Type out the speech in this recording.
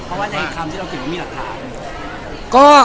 เพราะว่าในคำที่เราเขียนว่ามีหลักฐาน